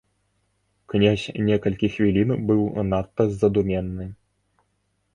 Князь некалькі хвілін быў надта задуменны.